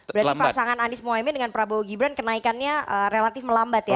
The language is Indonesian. berarti pasangan anies mohaimin dengan prabowo gibran kenaikannya relatif melambat ya